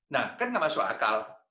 nah kan nggak masuk akal